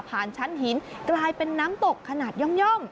ชั้นหินกลายเป็นน้ำตกขนาดย่อม